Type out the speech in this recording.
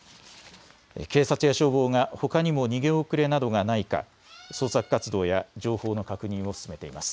警察や消防がほかにも逃げ遅れなどがないか捜索活動や情報の確認を進めています。